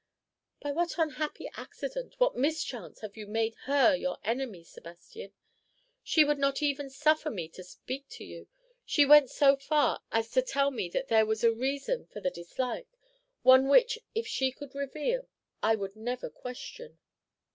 "By what unhappy accident, what mischance, have you made her your enemy, Sebastian? She would not even suffer me to speak to you. She went so far as to tell me that there was a reason for the dislike, one which, if she could reveal, I would never question."